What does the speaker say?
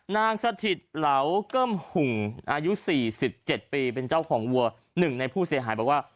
สถิตเหลาเกิ้มหุ่งอายุ๔๗ปีเป็นเจ้าของวัวหนึ่งในผู้เสียหายบอกว่า